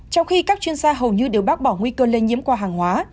trong khi các chuyên gia hầu như đều bác bỏ nguy cơ lây nhiễm qua hàng hóa